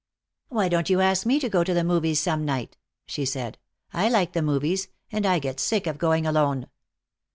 "Why don't you ask me to go to the movies some night?" she said. "I like the movies, and I get sick of going alone."